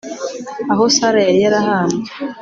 aho Sara yari yarahambwe